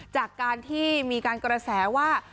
จากการที่มีการกระแสว่า